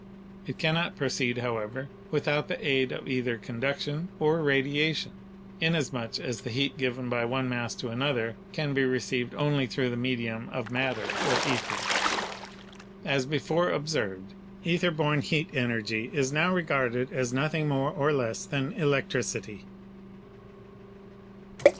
It cannot proceed, however, without the aid of either conduction or radiation, inasmuch as the heat given by one mass to another can be received only through the medium of matter or ether. As before observed, ether borne heat energy is now regarded as nothing more or less than electricity.